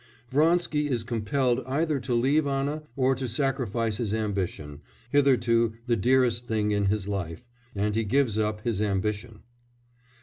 Vronsky is compelled either to leave Anna or to sacrifice his ambition, hitherto the dearest thing in his life, and he gives up his ambition.